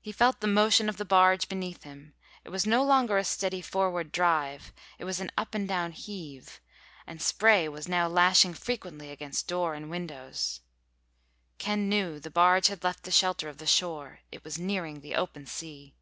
He felt the motion of the barge beneath him. It was no longer a steady forward drive. It was an up and down heave. And spray was now lashing frequently against door and windows. Ken knew the barge had left the shelter of the shore. It was nearing the open sea.